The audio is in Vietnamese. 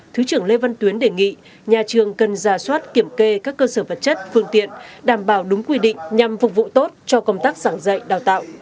thứ trưởng lê văn tuyến đề nghị nhà trường cần ra soát kiểm kê các cơ sở vật chất phương tiện đảm bảo đúng quy định nhằm phục vụ tốt cho công tác giảng dạy đào tạo